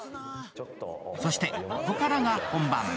そして、ここからが本番。